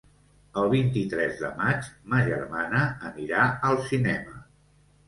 El vint-i-tres de maig ma germana anirà al cinema.